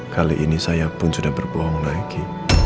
kali ini saya pun sudah berbohong lagi